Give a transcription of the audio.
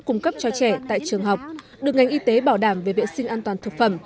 cung cấp cho trẻ tại trường học được ngành y tế bảo đảm về vệ sinh an toàn thực phẩm